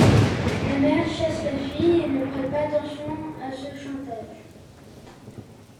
La mère chasse la fille et ne prête pas attention à ce chantage.